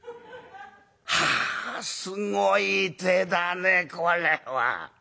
はあすごい手だねこれは」。